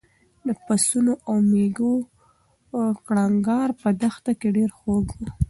د پسونو او مېږو کړنګار په دښته کې ډېر خوږ و.